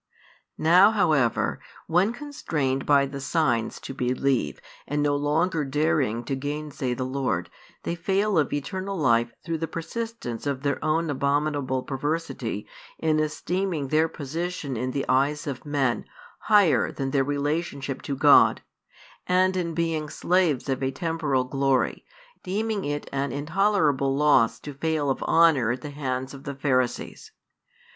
Now, however, when constrained by the signs to believe and no longer daring to gainsay the Lord, they fail of eternal life through the persistence of their own abominable perversity in esteeming their position in the eyes of men higher than their relationship to God, and in being slaves of a temporal glory, deeming it an intolerable loss to fail of honour at the hands of the Pharisees.